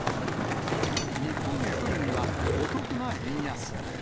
日本へ来るには、お得な円安。